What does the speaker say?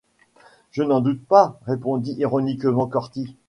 Je n’en doute pas... répondit ironiquement Corty.